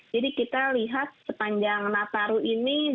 jadi kita lihat sepanjang nataru ini